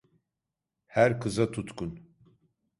Her kıza tutkun…